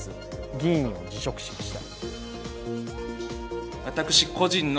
議員を辞職しました。